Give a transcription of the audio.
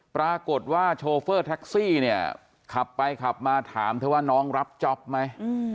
ปรากฏว่าโชเฟอร์แท็กซี่เนี่ยขับไปขับมาถามเธอว่าน้องรับจ๊อปไหม